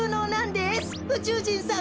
うちゅうじんさん